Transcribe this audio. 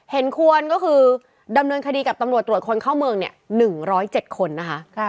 เห็นควรก็คือดำเนินคดีกับตำรวจตรวจคนเข้าเมือง๑๐๗คนนะคะ